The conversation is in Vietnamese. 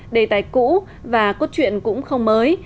đề tài cũ và cốt truyện cũng không mới